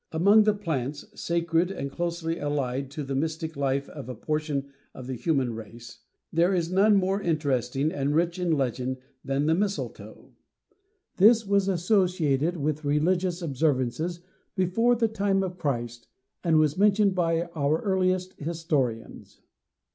Among the plants, sacred, and closely allied to the mystic life of a portion of the human race, there is none more interesting and rich in legend than the mistletoe. This was associated with religious observances before the time of Christ and was mentioned by our earliest historians.